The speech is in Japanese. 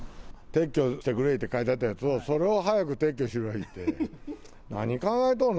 撤去してくれって書いてあったやつを、それを早く撤去しろ言って。